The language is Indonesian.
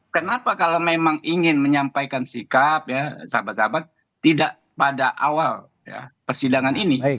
kenapa kalau memang ingin menyampaikan sikap ya sahabat sahabat tidak pada awal persidangan ini